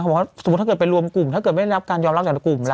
บอกว่าสมมุติถ้าเกิดไปรวมกลุ่มถ้าเกิดไม่ได้รับการยอมรับจากกลุ่มล่ะ